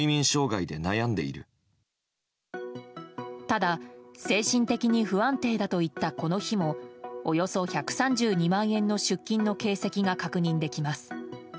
ただ、精神的に不安定だと言ったこの日もおよそ１３２万円の出金の形跡が確認できます。